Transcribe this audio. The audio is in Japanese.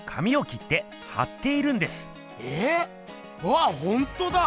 わっほんとだ。